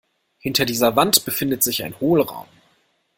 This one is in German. Hinter dieser Wand befindet sich ein Hohlraum.